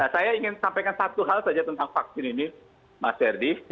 saya ingin sampaikan satu hal saja tentang vaksin ini mas herdy